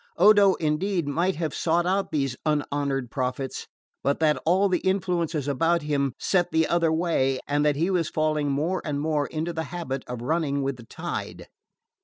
Odo indeed might have sought out these unhonoured prophets, but that all the influences about him set the other way, and that he was falling more and more into the habit of running with the tide.